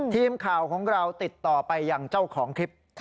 ทีมข่าวของเราติดต่อไปยังเจ้าของคลิป